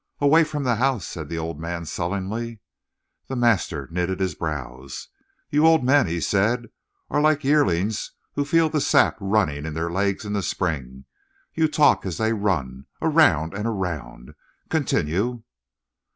"Away from the house," said the old man sullenly. The master knitted his brows. "You old men," he said, "are like yearlings who feel the sap running in their legs in the spring. You talk as they run around and around. Continue."